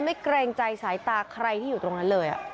เกรงใจสายตาใครที่อยู่ตรงนั้นเลย